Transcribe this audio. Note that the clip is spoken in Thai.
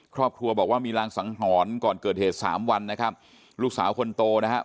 ครอบครัวบอกว่ามีรางสังหรณ์ก่อนเกิดเหตุสามวันนะครับลูกสาวคนโตนะครับ